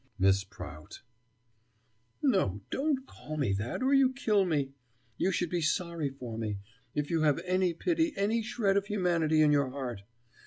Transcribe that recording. "Miss Prout " "No, don't call me that, or you kill me. You should be sorry for me, if you have any pity, any shred of humanity in your heart.